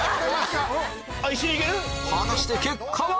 果たして結果は⁉